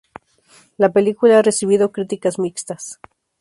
La película ha recibido críticas mixtas.